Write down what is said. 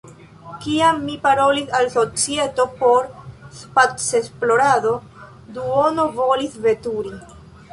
Kiam mi parolis al societo por spacesplorado, duono volis veturi.